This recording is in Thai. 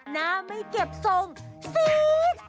หน้าไม่เก็บทรงซีด